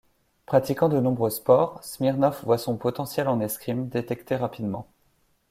Pratiquant de nombreux sports, Smirnov voit son potentiel en escrime détecté rapidement.